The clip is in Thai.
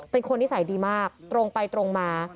เป็นคนนิสัยดีมากตรงไปตรงมา